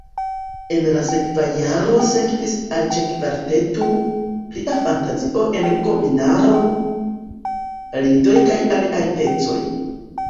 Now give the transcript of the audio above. En la sekva jaro sekvis arĉkvarteto, plia fantazio en g-minoro, lidoj kaj aliaj pecoj.